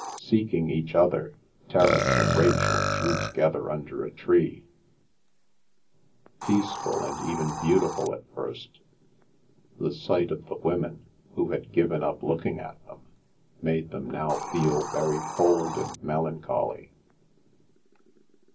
Seeking each other, Terence and Rachel drew together under a tree. Peaceful, and even beautiful at first, the sight of the women, who had given up looking at them, made them now feel very cold and melancholy.